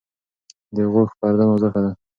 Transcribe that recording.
د غوږ پرده نازکه ده.